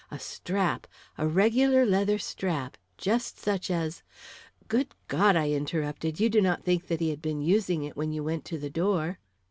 A strap a regular leather strap just such as " "Good God!" I interrupted; "you do not think he had been using it when you went to the door?"